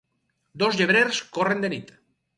Dos llebrers corren de nit